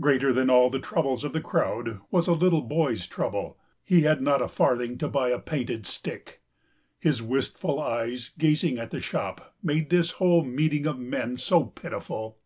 Greater than all the troubles of the crowd was a little boy's trouble he had not a farthing to buy a painted stick. His wistful eyes gazing at the shop made this whole meeting of men so pitiful.